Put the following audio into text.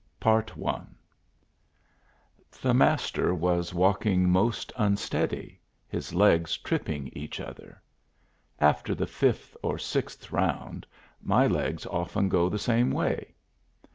PART I The Master was walking most unsteady, his legs tripping each other. After the fifth or sixth round, my legs often go the same way.